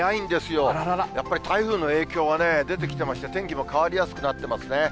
やっぱり台風の影響はね、出てきてまして、天気も変わりやすくなってますね。